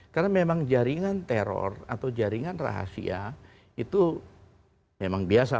karena memang jaringan teror atau jaringan rahasia itu memang biasa